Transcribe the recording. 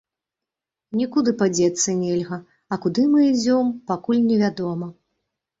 Нікуды падзецца нельга, а куды мы ідзём, пакуль невядома.